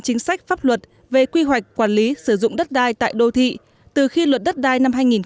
chính sách pháp luật về quy hoạch quản lý sử dụng đất đai tại đô thị từ khi luật đất đai